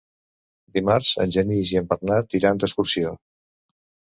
Dimarts en Genís i en Bernat iran d'excursió.